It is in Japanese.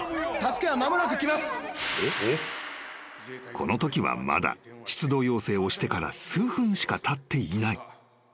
［このときはまだ出動要請をしてから数分しかたっていない。